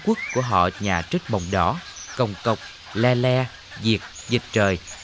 một nhà trích mồng đỏ cồng cọc le le diệt dịch trời